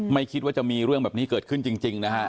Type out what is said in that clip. ไม่คิดว่าจะมีเรื่องแบบนี้เกิดขึ้นจริงนะฮะ